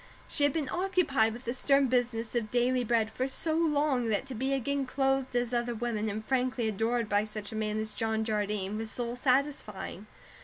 She had been occupied with the stern business of daily bread for so long that to be again clothed as other women and frankly adored by such a man as John Jardine was soul satisfying.